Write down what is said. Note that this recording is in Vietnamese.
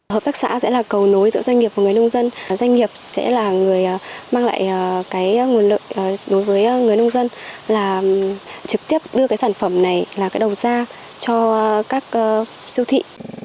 hợp tác xã sẽ là cầu nối giữa doanh nghiệp và người nông dân doanh nghiệp sẽ là người mang lại cái nguồn lợi đối với người nông dân là trực tiếp đưa cái sản phẩm này là cái đầu ra cho các siêu thị